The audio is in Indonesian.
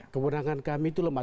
kebenangan kami itu lemah